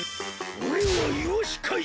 おれはいわしかい